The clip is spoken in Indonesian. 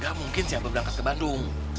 gak mungkin si aba berangkat ke bandung